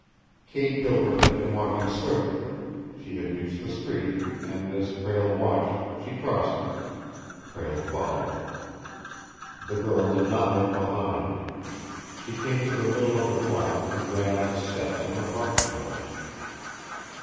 Kate Gilbert had been walking swiftly. She had reached the street, and, as Prale watched, she crossed it. Prale followed. The girl did not look behind. She came to the middle of the block and ran up the steps of an apartment house.